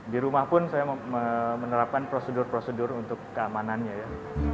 di rumah pun saya menerapkan prosedur prosedur untuk keamanannya ya